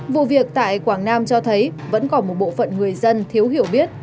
vụ việc tại quảng nam cho thấy vẫn còn một bộ phận người dân thiếu hiểu biết